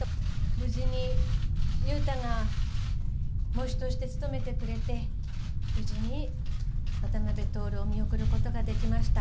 無事に裕太が喪主として務めてくれて、無事に渡辺徹を見送ることができました。